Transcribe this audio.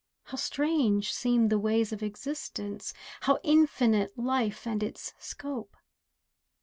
How strange seemed the ways of existence, How infinite life and its scope!